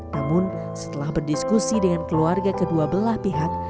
namun setelah berdiskusi dengan keluarga kedua belah pihak